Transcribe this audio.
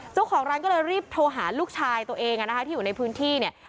เจ้าของร้านก็เลยรีบโทรหาลูกชายตัวเองที่อยู่ในพื้นที่เนี่ย